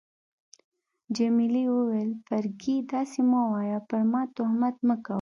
جميلې وويل: فرګي، داسي مه وایه، پر ما تهمت مه کوه.